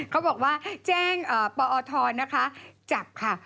เขาบอกว่าแจ้งปอทนะคะจับค่ะ